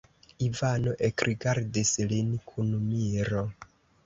Ivano ekrigardis lin kun miro.